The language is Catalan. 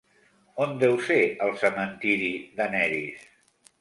On deu ser el cementiri d'Aneris?